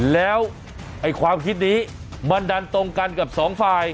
แล้วความคิดนี้มันดันตรงกันกับสองฝ่าย